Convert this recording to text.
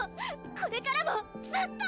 これからもずっと！